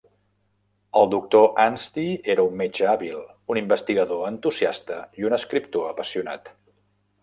El doctor Anstie era un metge hàbil, un investigador entusiasta i un escriptor apassionat.